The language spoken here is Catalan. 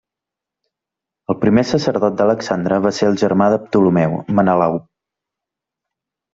El primer sacerdot d'Alexandre va ser el germà de Ptolemeu, Menelau.